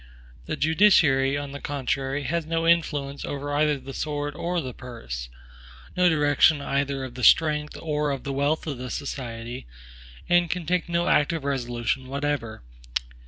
The judiciary, on the contrary, has no influence over either the sword or the purse; no direction either of the strength or of the wealth of the society; and can take no active resolution whatever.